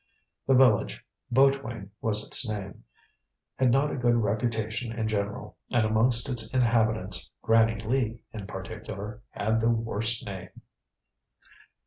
The village Boatwain was its name had not a good reputation in general, and amongst its inhabitants Granny Lee, in particular, had the worst name.